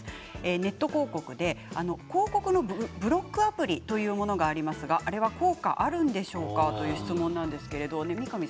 ネット広告で広告のブロックアプリというのがありますが、あれは効果があるんでしょうか。